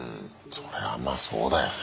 それはまあそうだよね。